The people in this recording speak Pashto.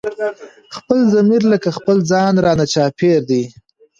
خپل ضمير لکه خپل ځان رانه چاپېر دی